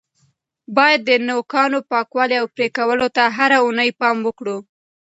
باید د نوکانو پاکوالي او پرې کولو ته هره اونۍ پام وکړو.